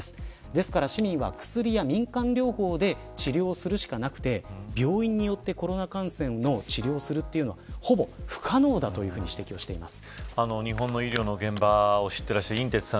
ですから市民は、薬や民間療法で治療するしかなくて病院によってコロナ感染の治療をするということはほぼ不可能だと指摘をしています。